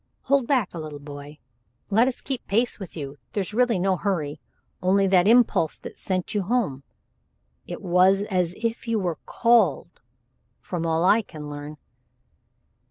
"Hold back a little, boy. Let us keep pace with you. There's really no hurry, only that impulse that sent you home it was as if you were called, from all I can learn."